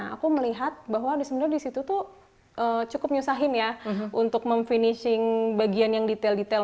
aku melihat bahwa di situ cukup menyusahkan untuk memfinishing bagian yang detail detail